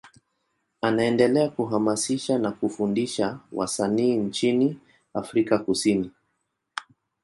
Anaendelea kuhamasisha na kufundisha wasanii nchini Afrika Kusini.